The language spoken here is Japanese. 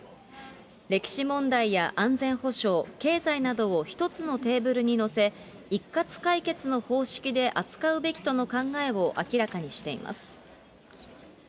歴史問題や安全保障、経済などを１つのテーブルに載せ、一括解決の方式で扱うべきとの考えを明らかにしています。